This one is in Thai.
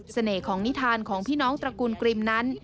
เสน่ห์ของนิธานของพี่น้องตระกุลกริมนั้น